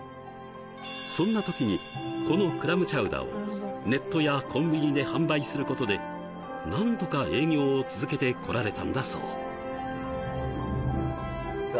そんな時にこのクラムチャウダーをネットやコンビニで販売することで何とか営業を続けてこられたんだそううわ